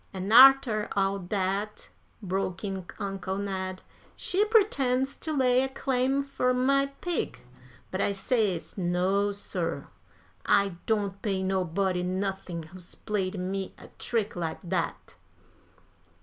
"An' arter all dat," broke in Uncle Ned, "she pretends to lay a claim fur my pig. But I says no, sir; I don't pay nobody nothin' who's played me a trick like dat."